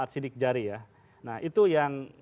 sidik jari ya nah itu yang